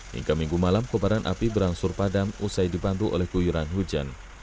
hingga minggu malam kebaran api berangsur padam usai dibantu oleh guyuran hujan